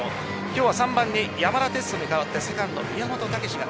今日は３番に山田哲人に代わってセカンド・宮本丈が